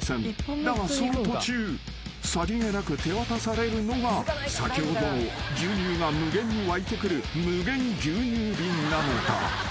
［だがその途中さりげなく手渡されるのが先ほどの牛乳が無限に湧いてくる無限牛乳瓶なのだ］